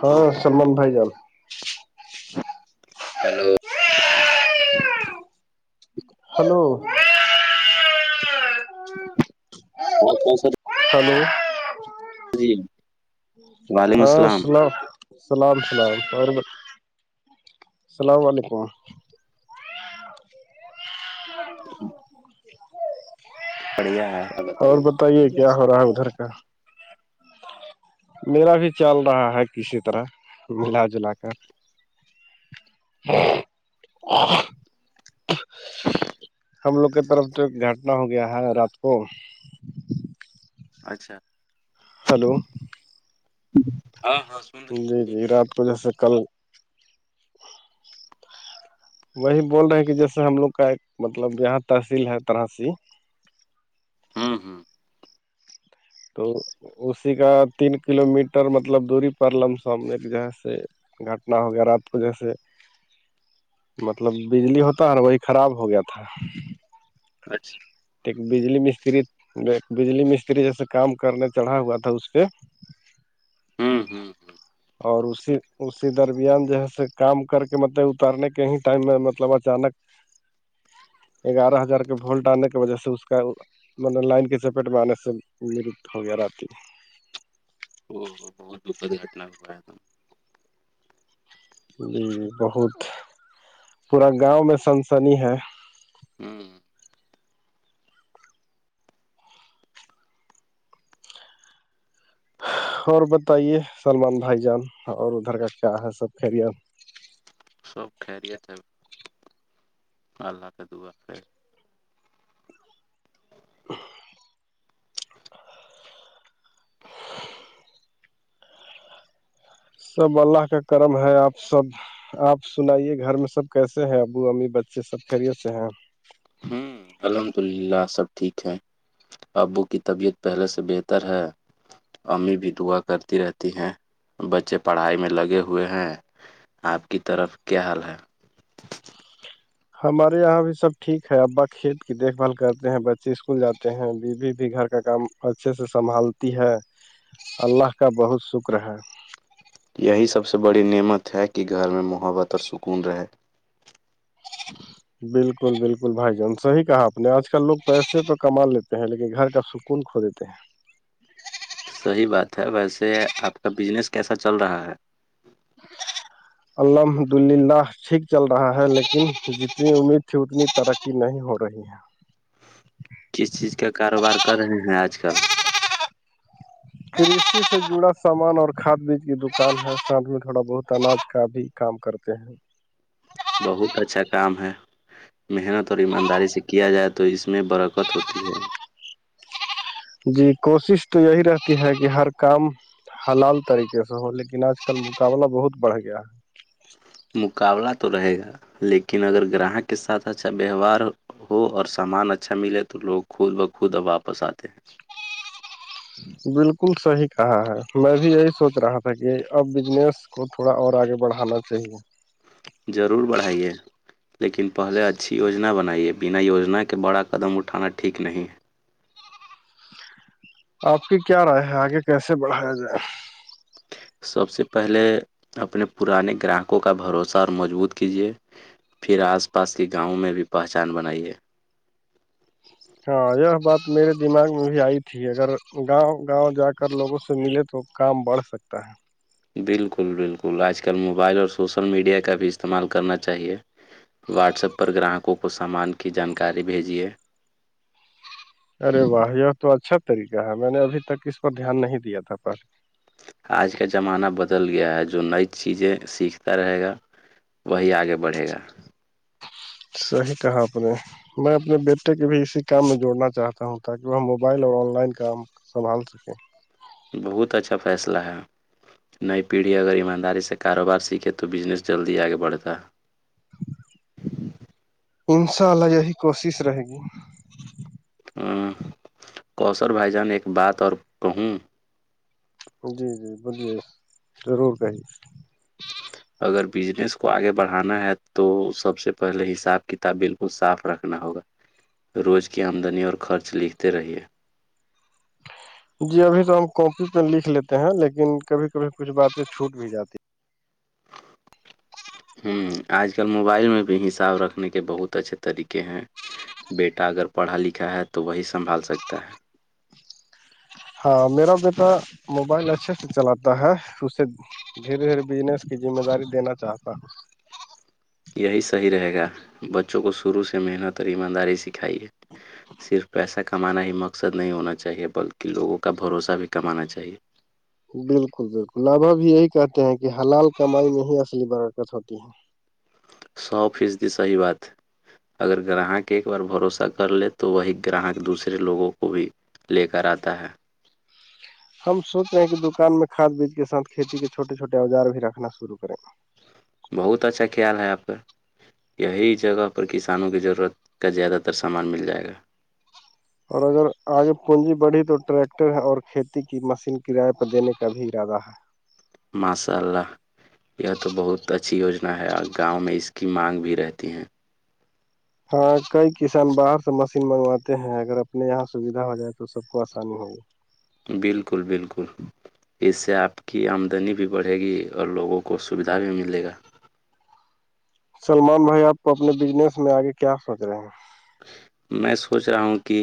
ہاں سلمان بھائی جان ہلو ہلو اور کوہت ساری خو جی وعلیکم ہاں السلام سناؤ اللام اللام اللام علیکم [inaudible] پڑھیا ہے اور بتائیے کیا ہو رہا ہے ادھر کا میرا بھی چل رہا ہے کسی طرح ملا جلا کر ھم ہم لوگ کی طرف تو ایک گھٹنا ہو گیا ہے رات کو اچھا ہلو ہاں ہاں سن رہے ہیں جی بولیے جی رات کو جیسے کل وہی بول رہے ہیں کہ جیسے ہم لوگ کا ایک مطلب یہاں تحصیل ہے ترحسی ہاں ہاں تو اسی کا تین کلو میٹر مطلب دوری پر لم سم ایک جگہ سے گھٹنا ہوغیرہ تو جیسے مطلب بجلی ہوتا ہے نا وہی خراب ہو گیا تھا اچھا بجلی مستری بجلی مستری جیسے کام کرنے چڑھا ہوا تھا اس پہ ہوں ہوں ہوں اور اسی اسی درمیان جو ہے س کام کر کے مطلب اترنے کے ہی ٹائم میں مطلب اچانک گیارہ ہزار کے وولٹ آنے کی وجہ سے اس کا مطلب لائن کی چپیٹ میں آنے سے مرد ہو گیا راتتی ا بہت دکھد گٹنا ہوایا تھا جی بہت پورا گاؤں میں سنسنی ہے ہاں اور بتائیے سلمان بھائی جان اور ادھر کا کیا ہے سب خری سب خریت ہے اللہ کے دعا کے سب اللہ کا کرم ہے آپ سب آپ سنائیے گھر میں سب کیسے ہیں ابو امی بچے سب خیریت سے ہیں ہوں الحمد اللہ سب ٹھیک ہے ابو کی طبیعت پہلے سے بہتر ہے امی بھی دعا کرتی رہتی ہیں بچے پڑھائی میں لگے ہوئے ہیں آپ کی طرف کیا حال ہے ہمارے یہاں بھی سب ٹھیک ہے ابا کھیت کی دیکھ بھال کرتے ہیں بچے اسکول جاتے ہیں بیوی بھی گھر کا کام اچھے سے سنبھالتی ہے اللہ کا بہت شکر ہے یہی سب سے بڑی نعمت ہے کہ گھر میں محبت اور سکون رہے بالکل بالکل بھائی جان صحی کہا آپ نے آج کل لوگ پیسے تو کما لیتے ہیں لیکن گھر کا کون کھو دیتے ہیں صحیح بات ہے ویسے آپ کا بزنس کیسا چل رہا ہے ہ الحمد للہ ٹھیک چل رہا ہے لیکن جتنی امید تھی اتنی ترقی ا نہیں ہو رہی ہے کس چیز کا کاروبار کر رہے ہیں آج کل کرشی سے جڑا سامان اور کھاد بیج کی دکان ہے سھ میں تھوڑا بہت اناج کا بھی کام کرتے ہیں بہت اچھا کام ہے محنت اور ایمانداری سے کیا جائے تو اس میں برکت ہوتی ہے جی کوشش تو یہی رہتی ہے کہ ہر کام حلال طریقے سے ہو لیکن آج کل مقابلہ بہت بڑھ گیا ہے مقابلہ تو رہے گا لیکن اگر گراہک کے ساتھ اچھا ویوہار ہو اور سامان اچھا ملے تو لوگ خود بخود اب واپس آتے ہیں بالکل صحیح کہا ہے میں بھی یہی سوچ رہا تھا کہ اب بجنس اس کو تھوڑا اور آگے بڑھانا چاہیے ضرور بڑھائیے لیکن پہلے اچھی یوجنا بنائی ہے بنا یوجنا کے بڑا قدم اٹھانا ٹھیک نہیں ہے آپ کی کیا رائے ہے آگے کیسے بڑھایا جائے سب سے پہلے اپنے پرانے گراہکوں کا بھروسہ اور مضبوط کیجیے پھر آس پاس کے گاؤں میں بھی پہچان بنائیے ہاں یہ بات میرے دماغ میں بھی آئی تھی اگر گاؤں گاؤں جا کر لوگوں سے ملے تو کام بڑھ سکتا ہے بالکل بالکل آج کل موبائل اور سوشل میڈیا کا بھی استعمال کرنا چاہیے واٹسپ پر گراہکوں کو سامان کی جانکاری بھیجیے ارے واہ یہ تو اچھا طریقہ ہے میں نے ابھی تک اس پر دھیان نہیں دیا تھا پر آج کا زمانہ بدل گیا ہے جو نئی چیزیں سیکھتا رہے گا وہی آگے بڑھے گا صحیح کہا آپ نے میں اپنے بیٹے کے بھی اسی کام میں جوڑنا چاہتا ہوں تاکہ وہ موبائل اور آن لائن کام سنبھال سکیں بہت اچھا فیصلہ ہے نئی پیڑھی اگر ایمانداری سے کاروبار سیکھے تو بزنس جلدی آگے بڑھتا انشاء اللہ یہی کوشش رہے گی ہ کوشر بھائی جان ایک بات اور کہوں جی جی بلیے ضرور کہیے اگر بزنس کو آگے بڑھانا ہے تو سب سے پہلے حساب کتاب بالکل صاف رکھنا ہوگا روز کی آمدنی اور خرچ لکھتے رہیے جی ابھی تو ہم کاپی پہ لکھ لیتے ہیں لیکن کبھی کبھی کچھ باتیں چھوٹ بھی جاتی ہیں۔ ہوں آج کل موبائل میں بھی حساب رکھنے کے بہت اچھے طریقے ہیں بیٹا اگر پڑھا لکھا ہے تو وہی سنبھال سکتا ہے ہاں میرا بیٹا موبائل اچھے سے چلاتا ہے اسے دھیرے دھیرے بجنس کی ذمہ داری دینا چاہتا ہوں یہی صحیح رہے گا بچوں کو شروع سے محنت اور ایمانداری سکھائیے صرف پیسہ کمانا ہی مقصد نہیں ہونا چاہیے بلکہ لوگوں کا بھروسہ بھی کمانا چاہیے بالکل بالکل نبھا بھی یہی کہتے ہیں کہ حلال کمائی میں ہی اصلی برکت ہوتی ہے سو فیصدی صحیح بات اگر گراہک ایک بار بھروسہ کر لے تو وہی گراہک دوسرے لوگوں کو بھی لے کر آتا ہے ہم سوچ رہے ہیں کہ دکان میں کاد بیج کے سھ کھیتی کے چھوٹے چھٹے اوزار بھی رکھنا شرع کریں بہت اچھا خیال ہے آپ پ [unintelligible] یہی جگہ پر کسانوں کی ضرورت کا زیادہ تر سامان مل جائے گا اور اگر آگے پونجی بڑھی تو ٹریکٹر اور کھیتی کی مشین کرای پرہ دینے کا بھی ارادہ ہے ماشاء اللہ یہ تو بہت اچھی یوجنا ہے اور گاؤں میں اس کی مانگ بھی رہتی ہیں ہاں کئی کسان باہر سے مشین منگواتے ہیں اگر اپنے یہاں سویدھا ہو جائے تو سب کو آسانی ہوگی بالکل بالکل اس سے آپ کی آمدنی بھی بڑھے گی اور لوگوں کو سویدھا بھی ملے گا سلمان بھائی آپ کو اپنے بزنس میں آگے کیا سوچ رہے ہیں میں سوچ رہا ہوں کہ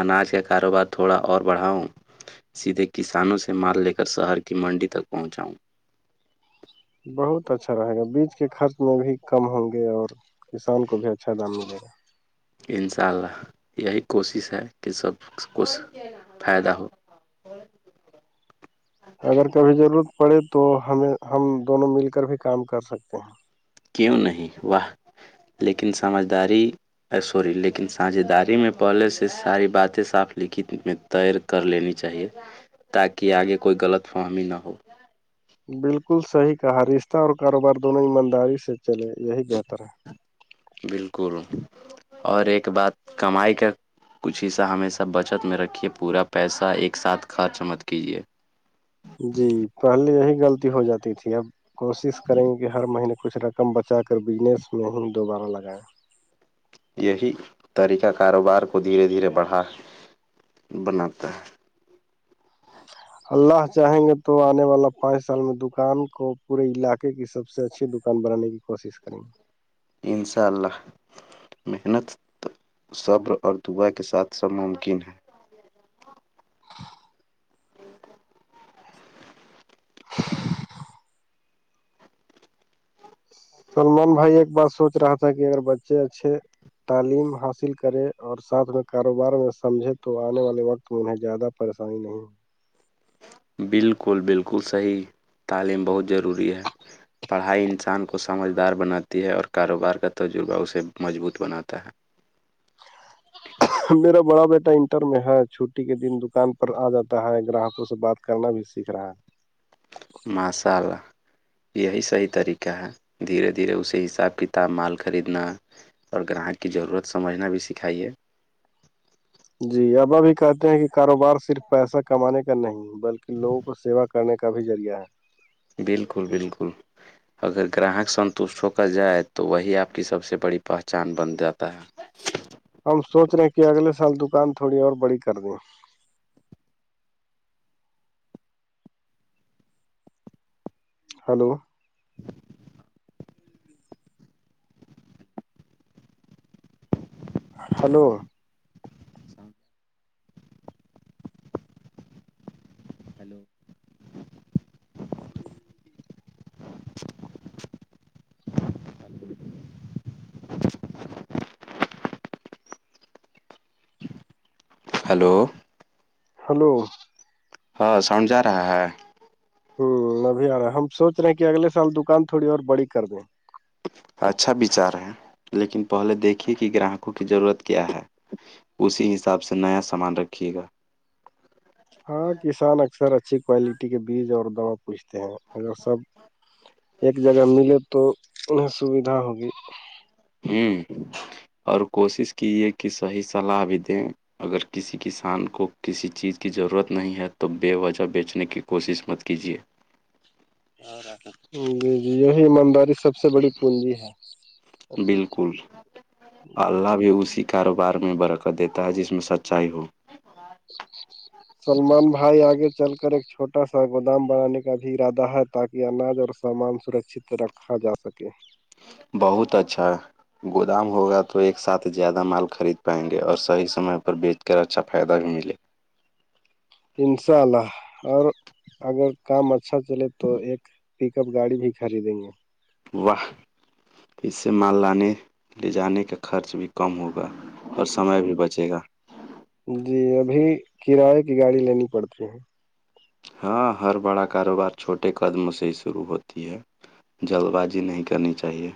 اناج کا کاروبار تھوڑا اور بڑھاؤں سیدھے کسانوں سے مال لے کر شہر کی منڈی تک پہنچاؤں بہت اچھا رہے گا بیج کے خرچ میں بھی کم ہوں گے اور کسان کو بھی اچھا دام ملے گا ان شاء اللہ یہی کوشش ہے کہ سب کچھ فائدہ ہو اگر کبھی ضرورت پڑے تو ہمیں ہم دونوں مل کر بھی کام کر سکتے ہیں کیوں نہیں وہاہ لیکن سمجھداری ا سوری لیکن ساجھداری میں پہلے سے ساری باتیں صاف لکھی میں تیر کر لینی چاہیے تاکہ آگے کوئی غلط فہمی نہ ہو بالکل صحیح کہا رشتہ اور کاروبار دونوں ایمانداری سے چلے یہی بہتر ہے بالکل اور ایک بات کمائی کا کچھ حصہ ہمیشہ بچت میں رکھیے پورا پیسہ ایک ساتھ خرچ مت کیجیے جی پہلے یہی غلطی ہو جاتی تھی اب کوشش کریں گے کہ ہر مہینے کچھ رقم بچا کر بجنس میں ہی دوبارہ لگائیں یہی طریقہ کاروبار کو دھیرے دھیرے بڑھا بناتا ہے اللہ چاہیں گے تو آنے والا پانچ سال میں دکان کو پورے علاقے کی سب سے اچھی دکان دکان بنانے کی کوشش کریں گے انشاء اللہ محنت صبر اور دعا کے ساتھ سب ممکن ہے [unintelligible] [inaudible] سلمان بھائی ایک بار سوچ رہا تھا کہ اگر بچے اچھے تعلیم حاصل کرے اور ساتھ میں کاروبار میں سمجھے تو آنے والے وقت تو انہیں زیادہ پریشانی نہیں بالکل بالکل صحیح تعلیم بہت ضروری ہے پڑھائی انسان کو سمجھدار بناتی ہے اور کاروبار کا تجربہ اسے مضبوط بناتا ہے میرا بڑا بیٹا انٹر میں ہے چھٹی کے دن دکان پر آ جاتا ہے گراہکوں سے بات کرنا بھی سیکھ رہا ہے مسء ال [unintelligible] یہی صحیح طریقہ ہے دھیرے دھیرے اسے حساب کتاب مال خریدنا اور گراہک کی ضرورت سمجھنا بھی سکھائیے جی اب اب بھی کہتے ہیں کہ کاروبار صرف پیسہ کمانے کا نہیں بلکہ لوگوں کو سیوا کرنے کا بھی ذریعہ ہے بالکل بالکل اگر گراہک سنتوشٹ ہو کر جائے تو وہی آپ کی سب سے بڑی پہچان بن جاتا ہے [inaudible] ہم سوچ رہے ہیں کہ اگلے سال دکان تھوڑی اور بڑی کر دی ہلو [unintelligible] ہلو [unintelligible] ہے ہلو ہلو [unintelligible] ہلو [unintelligible] ہاں ساؤنڈ جا رہا ہے ہوں ابھی آ رہا ہے ہم سوچ رہے ہیں کہ اگلے سال دکان تھوڑی اور بڑی کر دیں اچھا بچار ہے لیکن پہلے دیکھیے کہ گراہکوں کی ضرورت کیا ہے اسی حساب سے نیا سامان رکھیے گا [unintelligible] ہاں کسان اکثر اچھی کوالٹی کے بیج اور دوا پوستے ہیں مگر سب ایک جگہ ملے تو انہیں سویدھا ہوگی ہوں اور کوشش کیے کہ صحی صلاح بھی دیں اگر کسی کسان کو کسی چیز کی ضرورت نہیں ہے تو بے وجہ بیچنے کی کوشش مت کیجیے جی جی یہی ایمانداری سب [unintelligible] سب سے بڑی پونجی ہے اچی بالکل [unintelligible] اللہ بھی اس [unintelligible] کاروبار میں برکت دیتا ہے جس میں سچائی ہو سلمان بھائی آگے چل کر ایک چھوٹا سا گودام بنانے کا بھی ارادہ ہے تاکہ اناج اور سامان سرکچت رکھا جا سکے [unintelligible] بہت اچھا [unintelligible] گودام ہوگا تو ایک ساتھ زیادہ مال خرید پائیں گے اور صحیح سمے پر بیچ کر اچھا فائدہ بھی ملے [unintelligible] انشاء اللہ اور اگر کام اچھا چلے تو ایک پک اپ گاڑی بھی خریدیں گے واہ پ سے ماللہ نے لے جانے کا خرچ بھی کم ہوگا اور سمے بھی بچے گا جی ابھی کرائے کی گاڑی لینی پڑتی ہے ہاں ہر بڑا کاروبار چھوٹے قدم سے ہی شروع ہوتی ہے جلد بازی نہیں کرنی چاہیے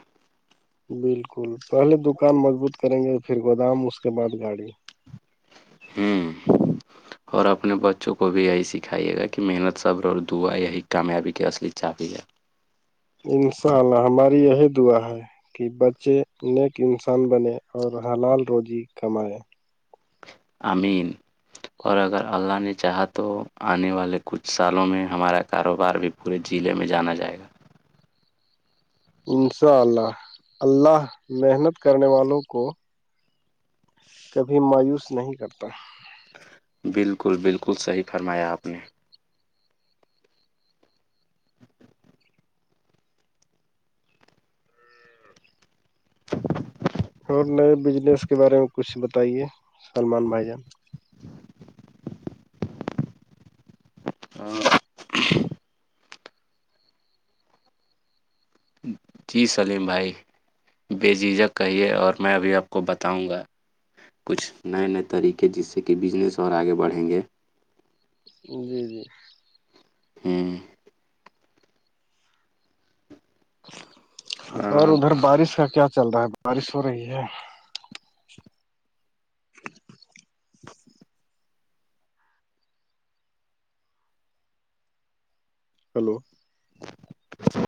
بالکل پہلے دکان مضبوط کریں گے پھر گودام اس کے بعد گاڑی ہوں [unintelligible] [inaudible] اور اپنے بچوں کو بھی یہی سکھائیے گا کہ محنت صبر اور دعا یہی کامیابی کے اصلی چاپی جائے انشاء اللہ ہماری یہی دعا ہے کہ بچے نیک انسان بنے اور حلال روزی کمائے امین اور اگر اللہ نے چاہا تو آنے والے کچھ سالوں میں ہمارا کاروبار بھی پورے ضلعے میں جانا جائے گا انشاء اللہ اللہ محنت کرنے والوں کو کبھی مایوس نہیں کرتا بالکل بالکل صحیح فرمایا آپ نے اور نئے بزنس کے بارے میں کچھ بتائیے سلمان بھائی جان ہ [unintelligible] جی سلیم بھائی بے جیجا کہیے اور میں ابھی آپ کو بتاؤں گا کچھ نئے نئے طریقے جس سے کہ بزنس اور آگے بڑھیں گے جی جی ہاں [unintelligible] اور ہ ادھر بارش کا کیا چل رہا ہے بارش ہو رہی ہے [inaudible] ہلو [inaudible]